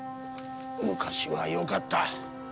昔はよかった。